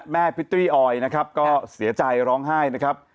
พิตตี้อออยนะครับก็เสียใจร้องไห้นะครับ